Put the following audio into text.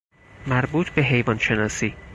مربوط بحیوان شناسی